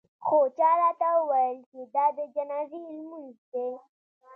خو چا راته وویل چې دا د جنازې لمونځ دی.